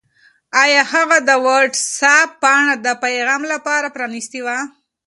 آیا هغه د وټس-اپ پاڼه د پیغام لپاره پرانستې وه؟